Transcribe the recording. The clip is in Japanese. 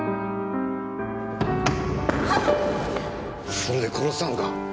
それで殺したのか！？